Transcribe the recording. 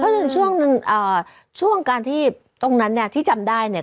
เพราะฉะนั้นช่วงนั้นช่วงการที่ตรงนั้นที่จำได้เนี่ย